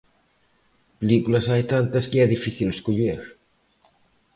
Películas hai tantas que é difícil escoller.